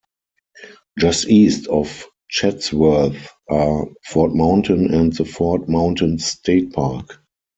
Just east of Chatsworth are Fort Mountain and the Fort Mountain State Park.